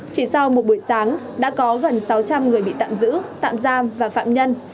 chỉ sau một buổi sáng đã có gần sáu trăm linh người bị tạm giữ tạm giam và phạm nhân